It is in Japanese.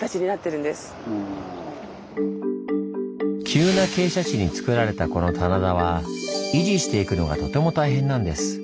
急な傾斜地につくられたこの棚田は維持していくのがとても大変なんです。